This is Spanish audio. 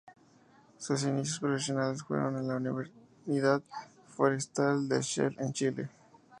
Sus inicios profesionales fueron en la unidad forestal de Shell en Chile.